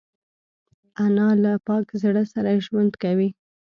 انا له پاک زړه سره ژوند کوي